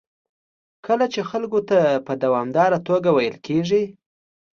کله چې خلکو ته په دوامداره توګه ویل کېږي